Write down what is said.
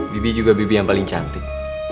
bibi juga bibi yang paling cantik